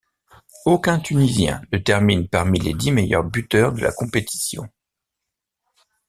Aucun Tunisien ne termine parmi les dix meilleurs buteurs de la compétition.